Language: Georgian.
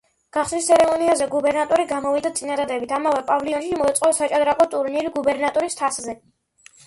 გახსნის ცერემონიაზე გუბერნატორი გამოვიდა წინადადებით, ამავე პავილიონში მოეწყოთ საჭადრაკო ტურნირი გუბერნატორის თასზე.